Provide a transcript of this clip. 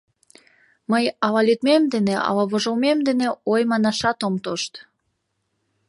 Мый ала лӱдмем дене, ала вожылмем дене ой манашат ом тошт.